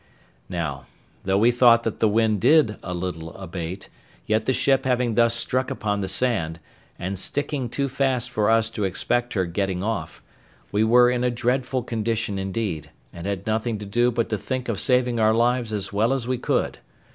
Now, though we thought that the wind did a little abate, yet the ship having thus struck upon the sand, and sticking too fast for us to expect her getting off, we were in a dreadful condition indeed, and had nothing to do but to think of saving our lives as well as we could.